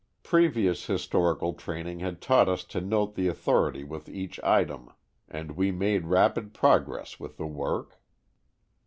Previous historical training had taught us to note the authority with each item, and we made rapid progress with the work.